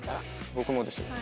僕もですよ。